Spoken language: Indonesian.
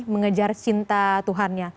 mengejar cinta tuhannya